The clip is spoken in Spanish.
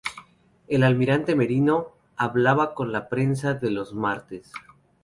El almirante Merino hablaba con la prensa los martes.